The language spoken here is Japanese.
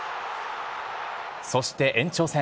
そして、延長戦。